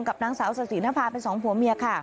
กับนางสาวสะสินภาพเป็นสองผัวเมีย